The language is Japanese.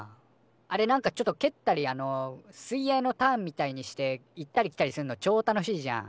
あれなんかちょっとけったりあの水泳のターンみたいにして行ったり来たりすんのちょ楽しいじゃん。